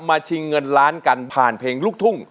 ชิงเงินล้านกันผ่านเพลงลูกทุ่ง